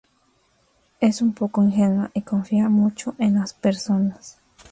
Es un poco ingenua y confía mucho en las personas.